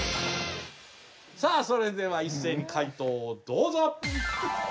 さあそれでは一斉に解答をどうぞ！